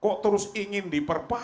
kok terus ingin diperbaiki